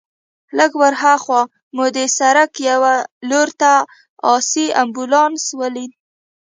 لږ ورهاخوا مو د سړک یوې لور ته آسي امبولانس ولید.